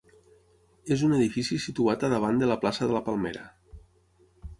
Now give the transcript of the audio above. És un edifici situat a davant de la plaça de la Palmera.